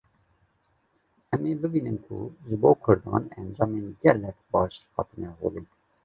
em ê bibînin ku ji bo Kurdan encamên gelek baş hatine holê